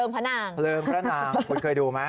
เพลิงพระนางค์คุณเคยดูไหม